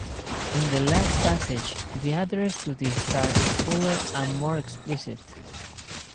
In the last passage the address to the star is fuller and more explicit.